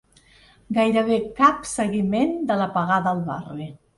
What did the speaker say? Gairebé cap seguiment de l'apagada al barri.